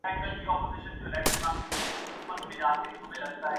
کوئی چیز تو ہو جس پہ ایمان ٹھہرے۔